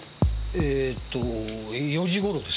ええと４時ごろです。